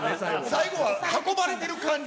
最後は運ばれてる感じ。